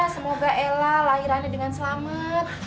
semoga ella lahirannya dengan selamat